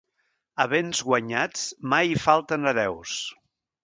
A béns guanyats mai hi falten hereus.